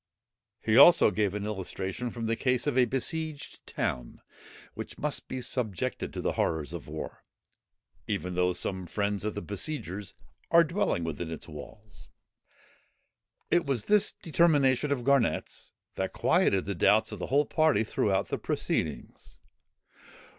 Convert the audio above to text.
He gave also an illustration from the case of a besieged town, which must be subjected to the horrors of war, even though some friends of the besiegers are dwelling within its walls. It was this determination of Garnet's, that quieted the doubts of the whole party throughout the proceedings.